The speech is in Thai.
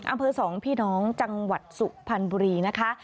อำเภอสองพี่น้องจังหวัดสุพรรณบุรีนะคะ